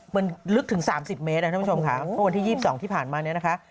มันลึกถึง๓๐เมตรท่านผู้ชมค่ะเมื่อวันที่๒๒ที่ผ่านมาเนี่ยนะคะ